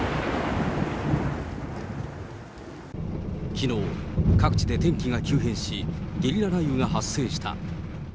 きのう、各地で天気が急変し、ゲリラ雷雨が発生した。